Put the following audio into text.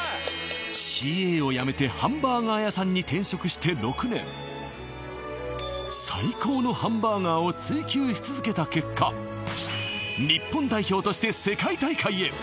ＣＡを辞めてハンバーガー屋さんに転職して６年し続けた結果日本代表として世界大会へ！